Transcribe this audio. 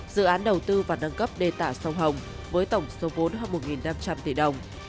dự án đầu tư và nâng cấp đề tả sông hồng với tổng số vốn hơn một năm trăm linh tỷ đồng